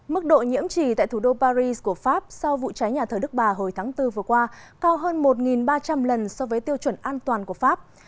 mức độ nhiễm trì tại thủ đô paris của pháp sau vụ cháy nhà thờ đức bà hồi tháng bốn vừa qua cao hơn một ba trăm linh lần so với tiêu chuẩn an toàn của pháp